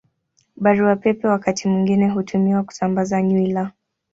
Barua Pepe wakati mwingine hutumiwa kusambaza nywila.